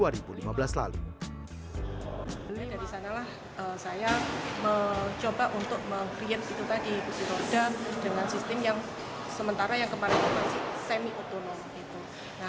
saya mencoba untuk mengkriensi kursi roda dengan sistem yang sementara yang kemarin masih semi otonom